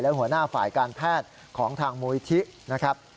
และหัวหน้าฝ่ายการแพทย์ของทางมูลิธินะครับ